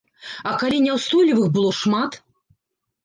А калі няўстойлівых было шмат?